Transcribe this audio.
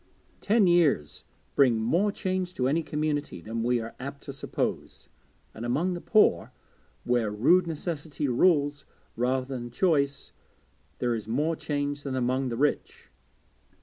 Ten years bring more change to any community than we are apt to suppose; and among the poor, where rude necessity rules rather than choice, there is more change than among the rich.